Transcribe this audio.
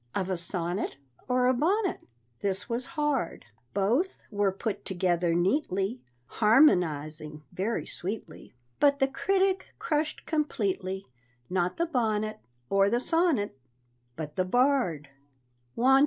Of a sonnet Or a bonnet? This was hard. Both were put together neatly, Harmonizing very sweetly, But the critic crushed completely Not the bonnet, Or the sonnet, But the bard.